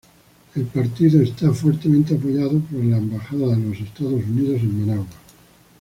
El partido es fuertemente apoyado por la embajada de los Estados Unidos en Managua.